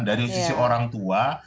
dari sisi orang tua